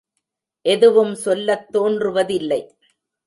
எதுவும் சொல்லத் தோன்றுவதில்லை.